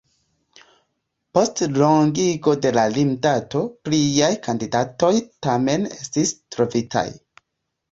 Post longigo de la limdato pliaj kandidatoj tamen estis trovitaj.